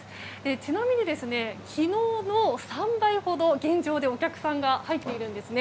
ちなみに、昨日の３倍ほど現状でお客さんが入っているんですね。